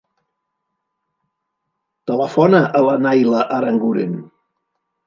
Telefona a la Nayla Aranguren.